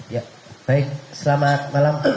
ya baik selamat malam